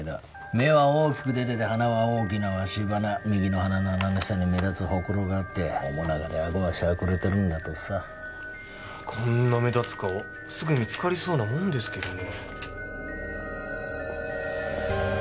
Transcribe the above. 目は大きく出てて鼻は大きなわし鼻右の鼻の穴の下に目立つホクロがあって面長でアゴがしゃくれてるんだとさこんな目立つ顔すぐ見つかりそうなもんですけどね